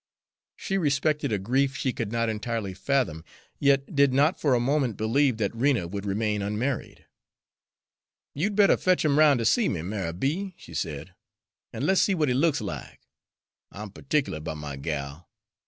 She respected a grief she could not entirely fathom, yet did not for a moment believe that Rena would remain unmarried. "You'd better fetch him roun' to see me, Ma'y B.," she said, "an' let's see what he looks like. I'm pertic'lar 'bout my gal.